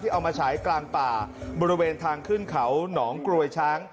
เอามาฉายกลางป่าบริเวณทางขึ้นเขาหนองกรวยช้าง